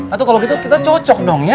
atau kalau gitu kita cocok dong ya